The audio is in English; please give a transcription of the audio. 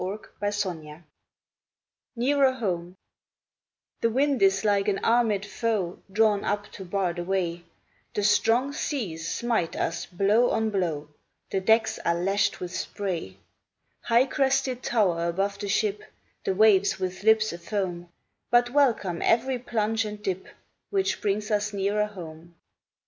NEARER HOME 43 NEARER HOME THE wind is like an armed foe, Drawn up to bar the way, The strong seas smite us blow on blow, The decks are lashed with spray ; High crested tower above the ship The waves with lips afoam, But welcome every plunge and dip Which brings us nearer home.